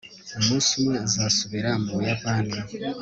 umunsi umwe azasubira mu buyapani